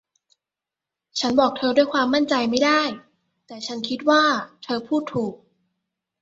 ฉันบอกเธอด้วยความมั่นใจไม่ได้ แต่ฉันคิดว่าเธอพูดถูก